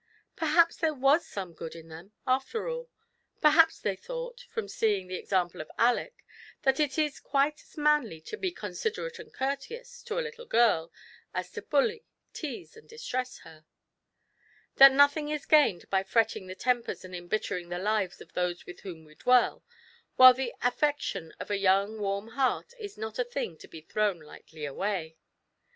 Perhaps there was some good in them, after all ; perhaps they thought, from seeing the example of Aleck, that it is quite as manly to be con siderate and courteous to a little girl, as to bully, tease, and distress her ; that nothing is gained by fretting the tempers and embittering the lives of those with whom we dwell, while the affection of a young warm heart is not a thing to be thrown lightly away.